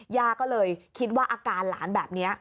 ย่าก็เลยคิดว่าอาการหลานแบบนี้